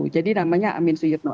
jadi namanya amin su yitno